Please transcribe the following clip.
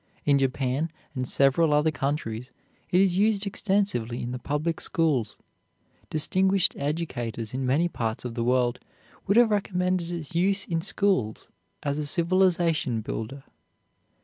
In Japan and several other countries it is used extensively in the public schools. Distinguished educators in many parts of the world have recommended its use in schools as a civilization builder.